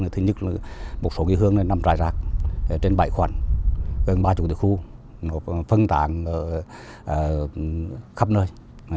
thứ nhất là một số cây hương nằm rải rác trên bãi khoảng gần ba mươi địa khu phân tạng khắp nơi